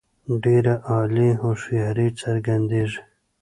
ډېره عالي هوښیاري څرګندیږي.